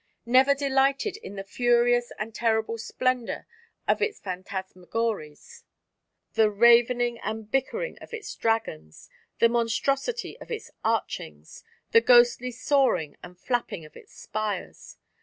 never delighted in the furious and terrible splendor of its phantasmagories, the ravening and bickering of its dragons, the monstrosity of its archings, the ghostly soaring and flapping of its spires?